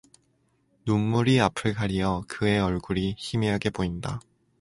눈물이 앞을 가리어 그의 얼굴이 희미하게 보인다.